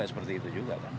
seperti itu juga pak